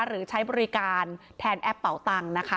หรือใช้บริการแทนแอปเป่าตังค์นะคะ